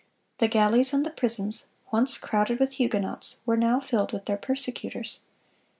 The galleys and the prisons, once crowded with Huguenots, were now filled with their persecutors.